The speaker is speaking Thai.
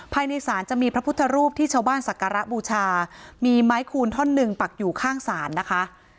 ภายในศาลจะมีพระพุทธรูปที่ชาวบ้านสักการะบูชามีไม้คูณท่อนหนึ่งปักอยู่ข้างศาลนะคะ